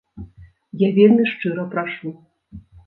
Я вельмі шчыра прашу.